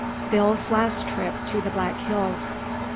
BILL'S LAST TRIP TO THE BLACK HILLS.